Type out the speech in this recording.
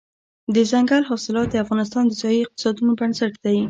دځنګل حاصلات د افغانستان د ځایي اقتصادونو بنسټ دی.